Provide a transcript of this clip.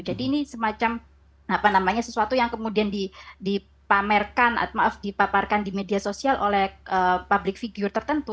jadi ini semacam apa namanya sesuatu yang kemudian dipamerkan maaf dipaparkan di media sosial oleh public figure tertentu